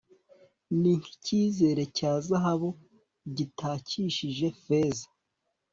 ni nk'ikirezi cya zahabu gitakishije feza